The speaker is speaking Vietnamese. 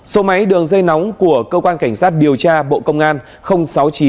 số máy đường dây nóng của cơ quan cảnh sát điều tra bộ công an sáu mươi chín nghìn hai trăm ba mươi ba